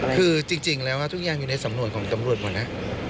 คือจริงแล้วทุกอย่างอยู่ในสำนวนของตำรวจหมดนะ